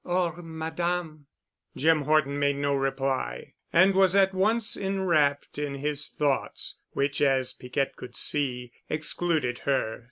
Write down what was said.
"Or Madame." Jim Horton made no reply and was at once enwrapped in his thoughts, which as Piquette could see, excluded her.